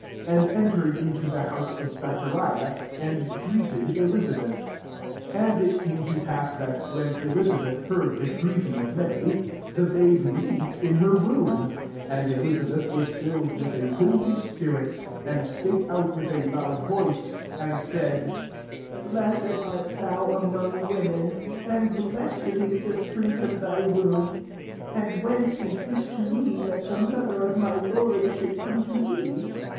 ^ 40 and entered into the house of Zachariahy and greeted EHzabeth* 4 1 And it came to/iass thaty when Elizabeth heard the greeting of Mary y the babe leaped in her womb : and Elizabeth was Jilled with a holy s/iirit, 43 and sfiake out with a loud voiccy and saidy *^ Blessed art thou among women ; and blessed is the fruit of thy womb, 43 And whence is tMs to mcy that the mother of my hwrd shoutd come tome